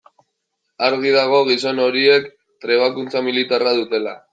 Argi dago gizon horiek trebakuntza militarra dutela.